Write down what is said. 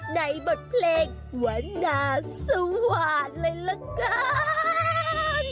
ในบทเพลงวันนาสวาสเลยละกัน